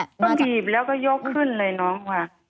ก็บีบแล้วก็ยกขึ้นเลยน้องค่ะ